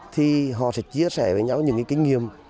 thì họ sẽ chia sẻ với nhau những kinh nghiệm